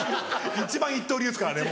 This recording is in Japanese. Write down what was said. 一番一刀流ですからね